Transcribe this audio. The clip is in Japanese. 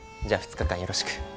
じゃあ２日間よろしく。